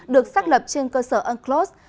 được xác lập trên cơ sở unclos